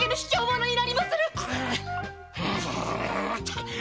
はい。